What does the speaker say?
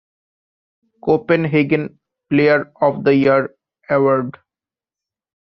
Copenhagen Player of the Year award.